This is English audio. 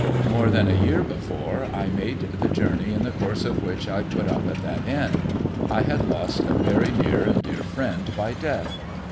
More than a year before I made the journey in the course of which I put up at that Inn, I had lost a very near and dear friend by death.